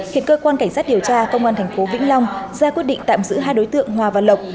hiện cơ quan cảnh sát điều tra công an tp vĩnh long ra quyết định tạm giữ hai đối tượng hòa và lộc